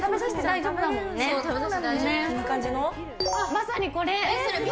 まさに、これ。